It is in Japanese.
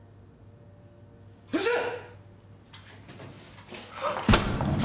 うるせえ！